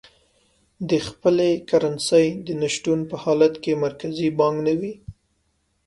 د خپلې کرنسۍ د نه شتون په حالت کې مرکزي بانک نه وي.